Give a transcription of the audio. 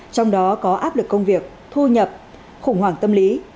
trong đó có áp lực công việc thu nhập khủng hoảng tâm lý